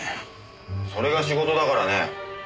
それが仕事だからね。